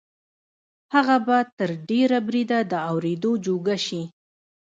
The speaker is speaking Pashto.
هغه به تر ډېره بریده د اورېدو جوګه شي